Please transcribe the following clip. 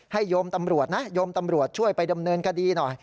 โยมตำรวจนะโยมตำรวจช่วยไปดำเนินคดีหน่อย